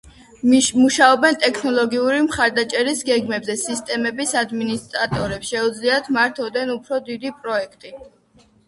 მუშაობენ ტექნოლოგიური მხარდაჭერის გეგმებზე სისტემების ადმინისტრატორებს შეუძლიათ მართონ უფრო დიდი პროექტი